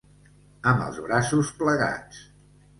Amb els braços plegats.